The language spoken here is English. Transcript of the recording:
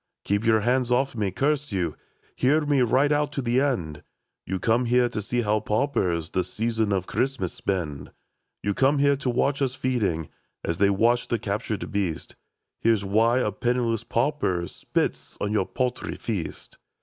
Keep your hands off me, curse you ! Hear me right out to the end. You came here to see how paupers The season of Christmas spend. JN THE WORKHOUSE. ii You came here to watch us feeding, A$ they watch the captured beast. Hear why a penniless pauper Spits on your paltry feast.